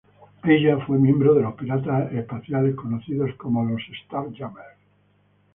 Ella fue miembro de los piratas espaciales conocidos como los Starjammers.